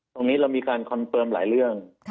เรามีการคอนเฟิร์มหลายเรื่อง